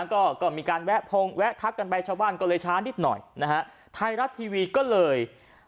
ก็ก็มีการแวะพงแวะทักกันไปชาวบ้านก็เลยช้านิดหน่อยนะฮะไทยรัฐทีวีก็เลย